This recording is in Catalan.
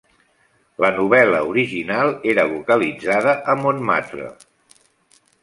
La novel·la original era localitzada a Montmartre.